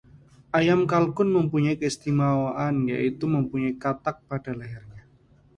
ayam kalkun mempunyai keistimewaan, yaitu mempunyai katak pada lehernya